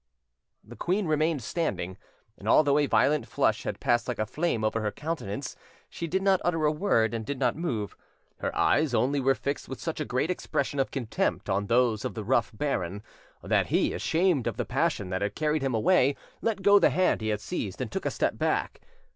The queen remained standing, and although a violent flush had passed like a flame over her countenance, she did not utter a word, and did not move: her eyes only were fixed with such a great expression of contempt on those of the rough baron, that he, ashamed of the passion that had carried him away, let go the hand he had seized and took a step back.